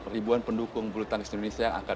ribuan pendukung bulu tangkis indonesia yang akan